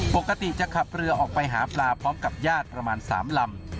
ปกติจะขับเรือออกไปหาปลาพร้อมกับญาติประมาณ๓ลำ